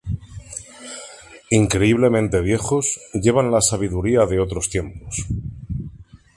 Increíblemente viejos, llevan la sabiduría de otros tiempos.